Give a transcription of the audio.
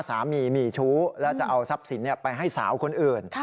สามีมีชู้แล้วจะเอาทรัพย์สินไปให้สาวคนอื่น